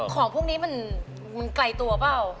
ของพวกนี้มันไกลตัวเปล่า